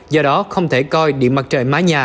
do đó không thể coi điện mặt trời mái nhà